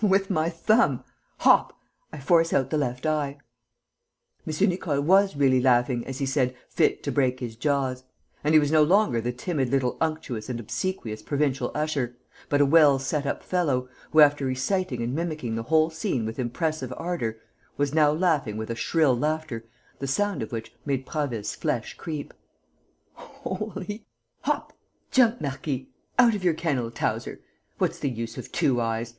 with my thumb hop, I force out the left eye!" M. Nicole was really laughing, as he said, fit to break his jaws. And he was no longer the timid little unctuous and obsequious provincial usher, but a well set up fellow, who, after reciting and mimicking the whole scene with impressive ardour, was now laughing with a shrill laughter the sound of which made Prasville's flesh creep: "Hop! Jump, Marquis! Out of your kennel, Towzer! What's the use of two eyes?